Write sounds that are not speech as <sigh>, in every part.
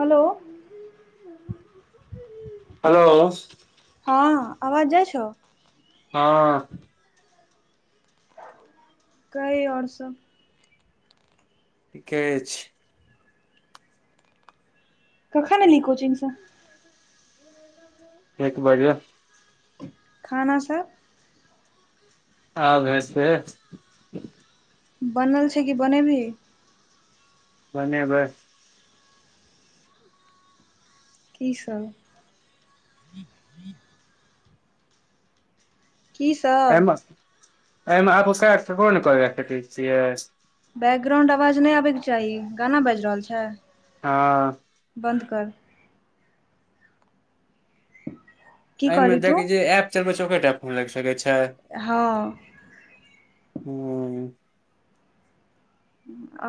Hello hello हँ आवाज जाइछौ ह कही और सभ ठीके अछि कखन एलही कोचिंगस <unintelligible> <unintelligible> खाना सब आब हेते बनल छै कि बनेबही बनेबै की सभ की सब <unintelligible> बैकग्राउंड आवाज नै आबै कऽचाही गाना बाइज रहल छै हऽ बन्द कर की अइमें कहली तू देखे जे एप चलबै छै ओकरे टा फोन लैग सकैत छै हऽ <unintelligible>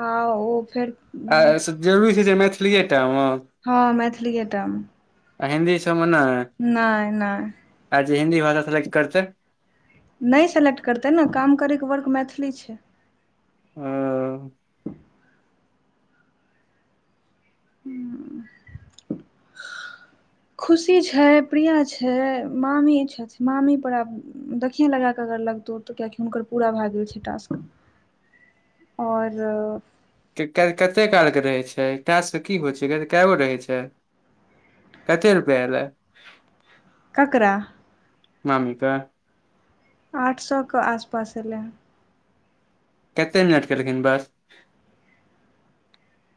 आ ओ फेर आ सब जरूरी छै जे मैथिलीए टा मऽ हँ मैथिलिए टा मऽ आ हिन्दी सब मऽ नै नै नै आ जे हिन्दी भाषा सिलेक्ट करतै नै सेलेक्ट करतै न काम करैक वर्क मैथिली छै अ <inaudible> खुशी छै प्रिय छै मामी छथि मामी पर आब देखिय लगा कऽ अगर लगतौ तऽ कियकि हुनकर पूरा भै गेल छै टास्क और <unintelligible> कते कालकेँ रहै छै टास्क की होइ छै कगो रहै छै कते रुपैया एलै ककरा मामी कऽ आठ सै कऽ आसपास एलै है कतेक मिनट केलखिन बस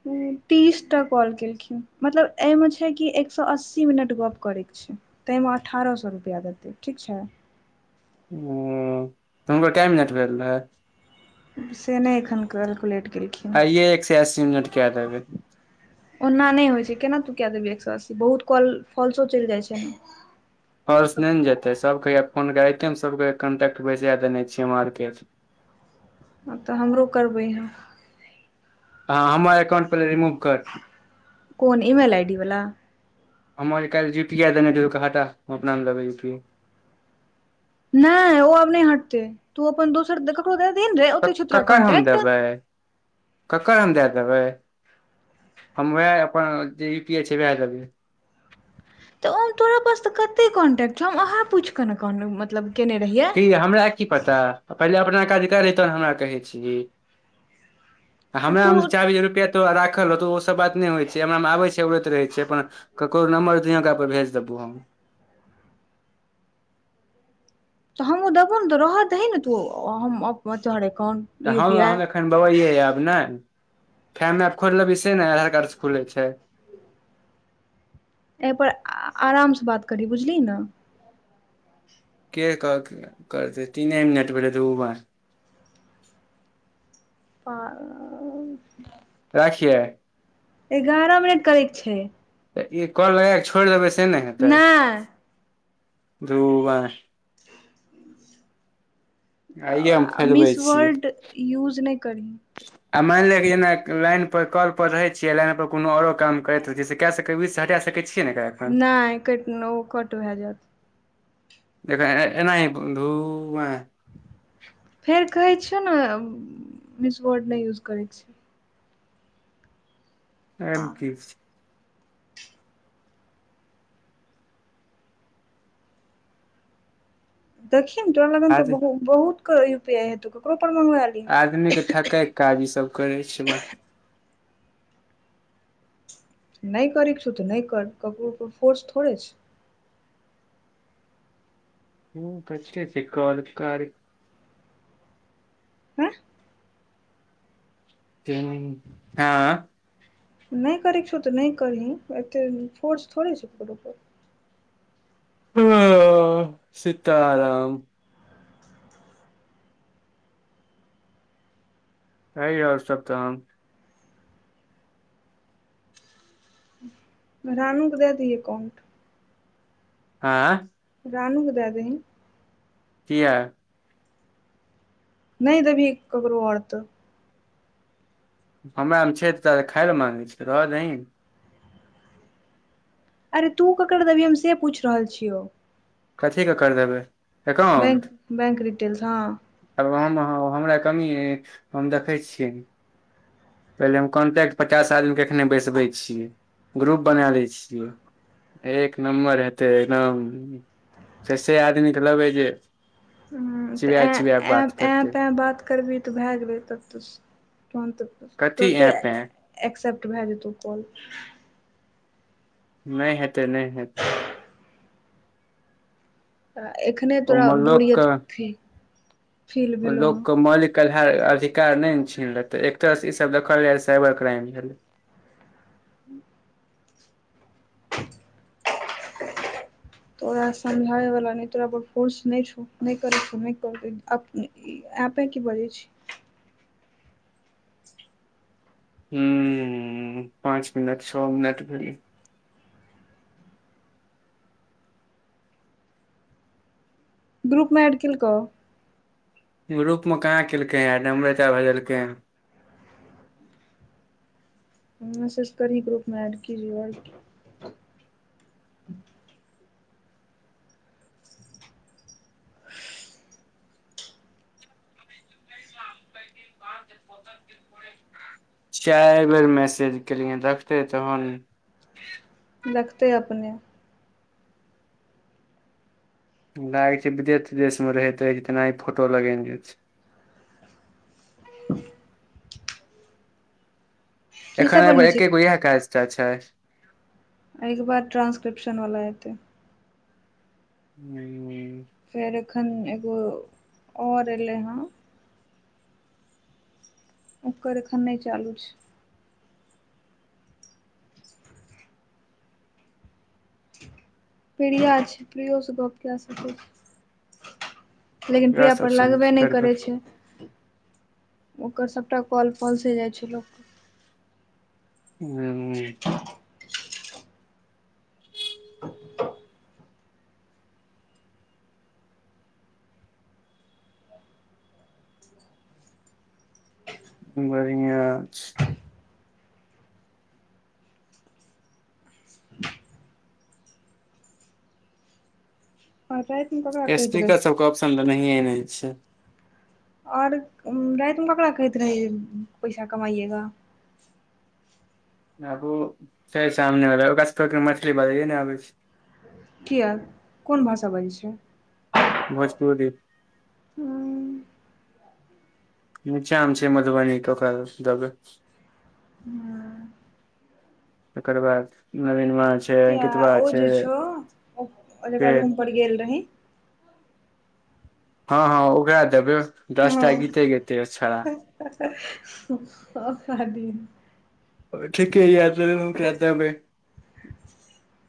नै तीसटा कॉल केलखिन मतलब एहिमे छै कि एक सौ अस्सी मिनट गप करै कऽ छै। तैम अठारह सौ रुपैया देतै ठीक छै। तब हनकर कै मिनट भेल रहैय से नै एखन कैलकुलेट केलखिन आइए एक सै अस्सी मिनट कै देबै। ओना नै होइ छै केना तू कए देबह एक सौ अस्सी बहुत कल फॉल्सो चैल जाइ छै न फोल्स नै न जेते सब कऽ हया फोन <unintelligible> कांटेक्ट बेसा देने छै मार्केट ह तऽ हमरो करबै है हँ हमर एककाउंट पहिले रिमूव कर कोन ईमेल आइ डी वला हमर काल यू पी आई देने छैअलिए ओकरा हटा हम अपना मे लेबै यू पीई नय ओ आब नय हटतै तू अपन दोसर ककरो द दे ने रे क- ओते छौ तोरा ककर हम कन्टै्ट देबै ककर हम दए देबै हम ओएह अपन जे यू पी आइ छै ओएह देबै। त हम तोरा पास त कते कॉन्टैक्ट छौ हम अहाँ पूछि के मतलब केने रहियै। की हमरा की पता पहिले अपना काज कर तहन हमरा कहै छी। तऽ हमरा तू मे चाबी रुपैआ तोहर राखल रहतौ ओसभ बात नय होइ छै हमरा मे आबै छै उड़ैत रहै छै अपन ककरो नम्बर दिए ओकरा पर भेज देबौ हम त हमूँ देबो ने त रह दी न तू हमहर तोहर अकाउंट ह हम एखन बवेये आब ने फैम एप खोल लेबै से ने आधार कर्ज खुले छै एपर आराम सँ बात करी बुझलिही ने के कहल के करतै तीने मिनट भेलै दू बार <unintelligible> राखियए एगारह मिनट करैके छै। तऽ ई कल लगा कऽ छोड़ि देबै से ने हेतै नहि धू बाई आइये हम फैलबै मिस छियै वर्ल्ड यूज नय करही आ मानि ले जेना लाइन पर कॉल पर रहैत छियै लाइन पर कोनो औरो काम करैत रहैै से क सक त बिच से हटा सके छियै ने गई नय कट ओ कट भए जायत एकरा अनाही धु बाई फेर कहै छियौ ने मिस वर्ड नय यूज करैके छै। एम कि छै देखिन तोरा लगन त आज बहुत बहुत क यू पी आइ हेतौ ककरो पर मलंगिया आदमी के थकय के काज ई सब करै छै ब न कराई के छु त ने कर ककरो परर फोर्स थोड़े छै। <unintelligible> <inaudible> <unintelligible> नय करैके छौ त नय करही एतेक फोर्स थोड़े छै केकरो पर ह सीताराम कही और सब तहन रानू के दए दिह एकाउंट आँ <unintelligible> रानू के दए दही किया नय देभी ककरो और त हमरा मे छै त तोरा खााय लए माँगै छै रहऽ दही न अरे तू ककर दभी हम से पूछ रहल छियौ कथीे ककर देबै बैक बैंक डीटेेलस हँ ह हम हमरा कमी य हम देखै छियै पहिले हम कॉन्टेक्ट पचास आदमी के एखने बैसबे छीयै ग्रुप बना ले छियै एक नम्बर हेतै एकदम से सेे आदमी के लगे जे हँ त चिड़िया चिड़िया बात करते <unintelligible> बात करबही तऽ भए गेलै <inaudible> तब तऽ कथी तुरते ऐप है एक्सेप्ट भैय जेतौ कॉल नै हेतै नै हेतै आ एखने ओ तोरा बोरियत फिल लोक मालिक ल अधिकार नै छीन त एक तरहसँ ई सब देखल जाय साइबर क्राइम भेल तोरा समझाबै वाल नै तोरा पर फोर्स छ छने नै <unintelligible> एपे की बजै छी <unintelligible> पाँच मिनट छओ मिनट भैले ग्रुपमे ऐड केलको रूप म कहाँ केलकै एड नम्बर ता भेजेलकै है ह मेंसेज करही ग्रुपमे ऐड <unintelligible> <unintelligible> <unintelligible> चाइर बेर मैसेज केलिए देखते तो हन दखते अपने लागै छै विदेश तिदेश में रहैत रहै छै तनाही फोटो लगेने छै <unintelligible> की एखन सब एगे बनबै छी एकेगो इएह काज टा छै अय केँ बाद ट्रान्सक्रिप्शन वला एतै <unintelligible> फेर एखन एगो <inaudible> और एलै है ओकर एखन नै चालू छै प्रिय छै प्रियो स गप कए सकै छी <inaudible> लेकिन वएह प्रिया सब पर सब लगबे नै करै करबै छै ओकर सबटा कल फॉल से जाइ छै लोक <unintelligible> बढ़िया छै फोन राइत में करबै - स्पीकर सब कऽ ऑप्शन देनेहै नै छै और राइत में ककड़रा कहैत रहि पैसा कमाइएग आगू छै सामने वला ओकरा मैथिली बाजेय नै आबै छै किया कोन भाषा बजै छै भोजपुरी नीचा म छै मधुबनी कऽ ओकर दबै तकर बाद नवीनमा छै किया अंकितवा ओ छै जे छो जेकरा के रूम पर गेल रही हऽ हऽ उकरा देवै हँ <unintelligible> ठीक ह यार <unintelligible> <unintelligible>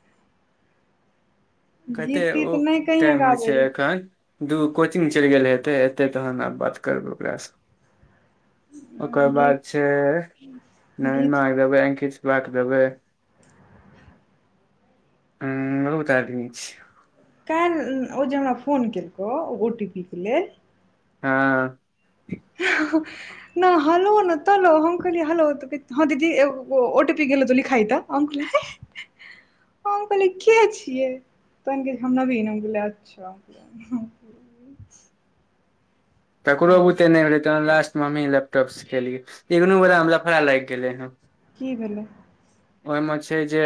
कते गीत तीत उऽ नहि कहिये टाइम होइ गाबै छै एखन दू कोचिंग चैल गेल हेते एतै तहन आब बात करबै ओकरा स ओकर लए बाद गीत छै <inaudible> नरेनमा गीत कऽ देबै अंकितवा देबै <unintelligible> बहुत आदमी छै कैल्ह ओ जे हमरा फोन केलकौ ओ टी पी के लेल हँ हुं न हलो ने तलो हम कहलिय हलो तऽ कहैत हां दीदी एगो ओ टी पी गेलौ त तू लिखाइ तऽ हम कहलीय हैं। हम कहलियै के छिये तन गेल हम नवीन हम कहलियअच्छा। ककरो कहलियै बुते नहि भेलै त लास्ट मे हमहीँ लैपटॉप सिखेलियै एहनो गोरा मे लफड़ा लागि गेलै हन। की भेलौ ओह म छै जे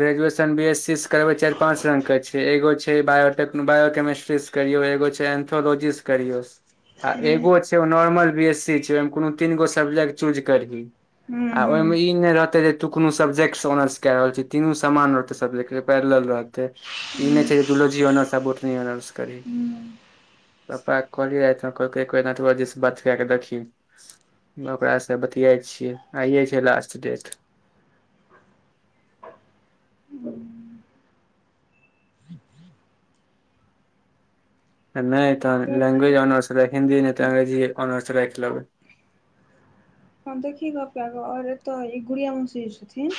ग्रेजुएशन बी एस सी से करबे चारि पाँंच रंग के छै एगो छै बायोटेक बायो केमिस्ट्री करियऔ एगो छै एन्थोलॉजी स करिऔ आ हूँ एगो छै ओ नॉर्मल बी एस सी छै ओहिमे कोनो तीन गो सब्जेक्ट चूज करही हूँ आ ओय हूँ म ई नय रहत <unintelligible> तू कोनो सब्जेक्ट सऽ ऑनर्स के रहल छी तीनू सामान रहते सब्जेक्ट जे पैरलर रहत ई नहि छै जुलाॅंजी आनर्स आ बोटनी आनर्स करी हूँ पप्पाक कहली राईत में तऽ कहलकै एक बेर नटवर जी सऽ बात कै कऽ देखही ओकरासँ बतियाए छियै आइये छिय लास्ट डेट। हं आ नय तहन देखी लैंग्वेज ऑनर्स रख हिन्दी नहि त अंग्रेजी ओनर्स रैख लेबै। हँ देखी गप कैर क आर एतऽ ईगुड़िया मोसी जे छथिन।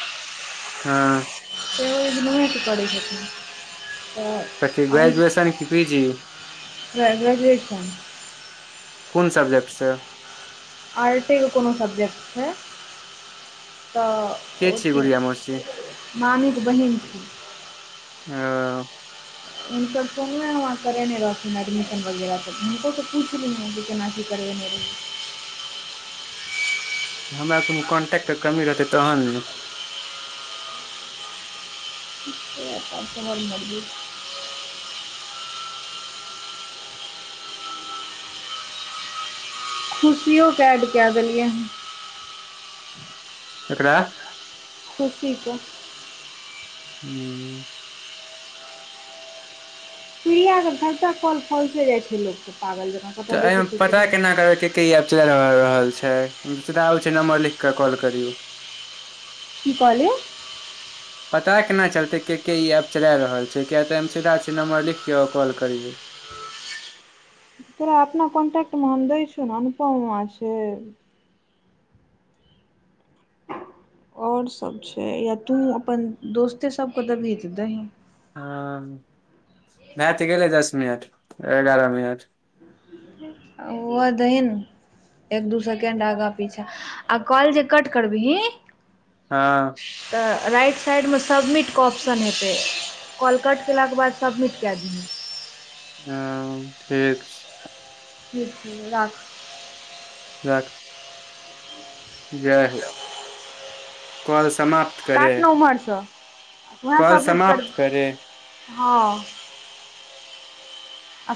हँ सेहो इग्नुए स करै छथिन। तऽ कथी ग्रेजुएशन की पी जी <unintelligible> ग्रेजुएशन कोन सब्जेक्ट स आर टी क कोनो सब्जेक्ट छै। के तऽ छी ओते गुड़िया मौसी मामीक बहिन छी। आअ हसभ सोनुये ममा करेने रहथिन एडमिशन वगैरह त हुनकेस पुईछलींहे जे केना की करबेने रही हमरा कोनो कॉन्टैक्ट क कमी रहतै तहन न <unintelligible> तोहर मर्जी। खुशियोक ऐड काय देलियै हन केकरा खुशी कऽ हूँ सुइया के काॅन्टेक्ट काॅल फाॅल्से जाय छैले पागल जकाॅ। तऽ एहिमे पता केना करै क के आब चला रहल छै दोसरा आबय छै नम्बर लिख के कॉल करियौ। की कहली पता केना चलते के के ई ऐप चला रहल छै किया तऽ अय म सीधा छै नंबर लिखियो कॉल करियऔ। तोरा अपना कांटेक्ट म हम दै छीयो न अनुपमा छै। आओर सब छै या तू अपन दोस्ते सबक दबही त दहीं हँ भायतऽ गेलय दस मिनट ऐगारह मिनट। ओ हुआ दही न एक दू सेकेंड आगा पीछा आ काॅल जे कट करबही। हँ तऽ राइट साइडमे सबमिटके ऑप्शन हेतै। कॉल कट केलाके बाद सबमिट कए दिहेन हँ ठीक छै। हँ बिक छैय राख राख जय हो कॉल समाप्त। करे काट नऽ उम्हरसँ तुहे कॉल सबमिट कर समाप्त करे हँ आ